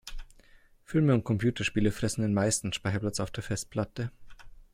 Filme und Computerspiele fressen den meisten Speicherplatz auf der Festplatte.